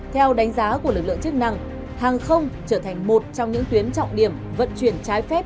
theo đánh giá của lực lượng chức năng hàng không trở thành một trong những tuyến trọng điểm vận chuyển trái phép